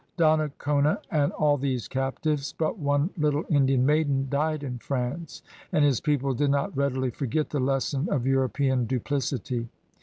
Donnacona and all these captives but one little Indian maiden died in France, and his people did not readily forget the lesson of European duplicity.